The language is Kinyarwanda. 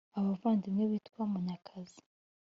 abavandimwe bitwa Munyakazi